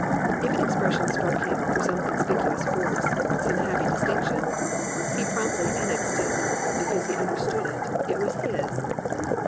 If an expression struck him "for some conspicuous force, some happy distinction," he promptly annexed it; — because he understood it, it was his.